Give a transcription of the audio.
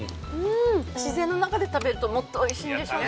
自然の中で食べるともっとおいしいんでしょうね。